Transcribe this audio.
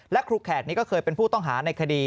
และครูแขกนี้ก็เคยเป็นผู้ต้องหาในคดี